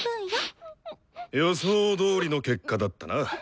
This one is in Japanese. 予想どおりの結果だったな。